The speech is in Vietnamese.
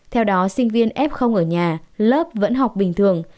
theo đó sinh viên f ở nhà lớp vẫn học bình thường